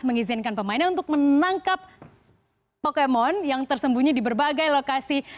mengizinkan pemainnya untuk menangkap pokemon yang tersembunyi di berbagai lokasi